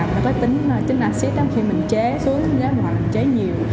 nó có tính axit khi mình chế xuống chế nhiều